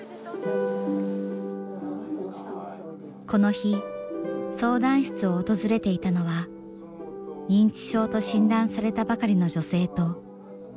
この日相談室を訪れていたのは認知症と診断されたばかりの女性とその家族でした。